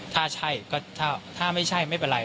ถ้าใช่ก็ถ้าไม่ใช่ไม่เป็นไร